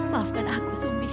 maafkan aku sumi